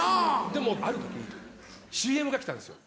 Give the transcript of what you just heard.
でもある時ＣＭが来たんですよ。